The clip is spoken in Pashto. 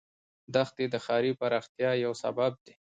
دښتې د ښاري پراختیا یو سبب دی.